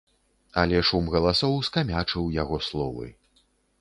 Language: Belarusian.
Але шум галасоў скамячыў яго словы.